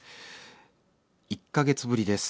「１か月ぶりです。